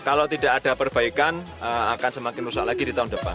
kalau tidak ada perbaikan akan semakin rusak lagi di tahun depan